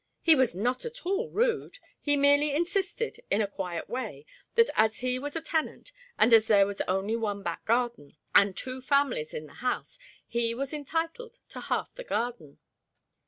"He was not at all rude. He merely insisted, in a quiet way, that as he was a tenant and as there was only one back garden, and two families in the house, he was entitled to half the garden."